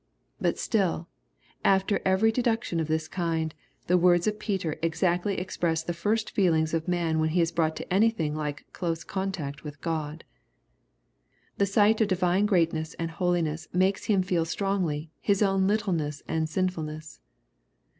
But still, after every deduc tion of this kind, the words of Peter exactly express the first feelings of man when he is brought into anything like close contact with God. The sight of divine great ness and holiness makes him feel strongly his own littleness and sinfulness.